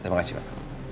terima kasih pak